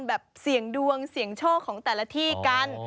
แบบเสี่ยงดวงเสี่ยงโชคของแต่ละที่กัน